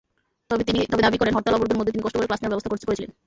তবে দাবি করেন, হরতাল-অবরোধের মধ্যে তিনি কষ্ট করে ক্লাস নেওয়ার ব্যবস্থা করেছিলেন।